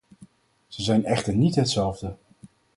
Ze zijn echter niet hetzelfde.